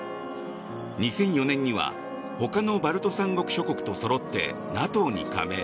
２００４年にはほかのバルト三国諸国とそろってＮＡＴＯに加盟。